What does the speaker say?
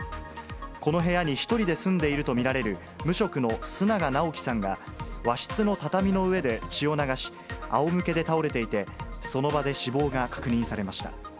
この部屋に１人で住んでいると見られる無職の須永尚樹さんが、和室の畳の上で血を流し、あおむけで倒れていて、その場で死亡が確認されました。